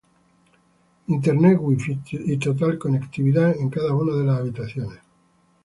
Internet WiFi y total conectividad en cada una de las habitaciones.